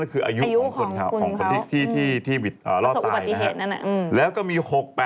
นั่นคืออายุของคนที่รอดตายนะฮะแล้วก็มี๖๘๓